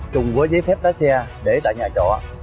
chung với giấy phép lá xe để tại nhà trọ